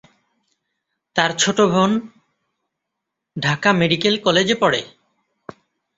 তার ছোট বোন ঢাকা মেডিকেল কলেজে পড়ে।